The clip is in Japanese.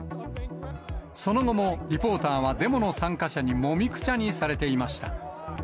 その後もリポーターはデモの参加者にもみくちゃにされていました。